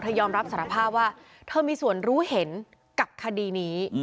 ยอมรับสารภาพว่าเธอมีส่วนรู้เห็นกับคดีนี้